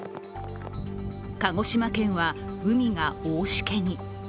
鹿児島県は海が大しけに。